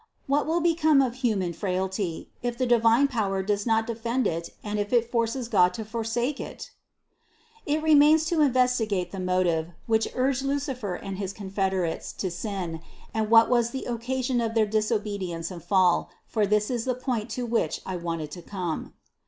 What will become of human frailty, if the divine power does not defend it and if it forces God to forsake it ? 85. It remains to investigate the motive, which urged Lucifer and his confederates to sin and what was the occasion of their disobedience and fall, for this is the point to which I wanted to come.